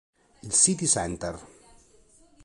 Il City Center!